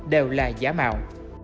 đều là giá mạo